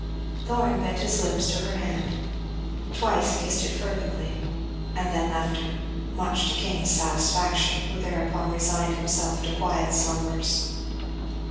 Thorn bent his lips to her hand, twice kissed it fervently, and then left her; much to King's satisfaction, who thereupon resigned himself to quiet slumbers.